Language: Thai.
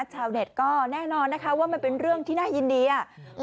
ชาวเน็ตก็แน่นอนนะคะว่ามันเป็นเรื่องที่น่ายินดีอ่ะ